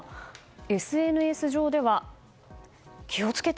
ＳＮＳ上では、気を付けて！